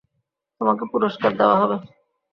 তোমাকে পুরষ্কার দেওয়া হবে।